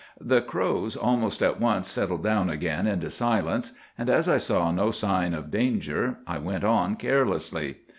"'The crows almost at once settled down again into silence; and as I saw no sign of danger, I went on carelessly.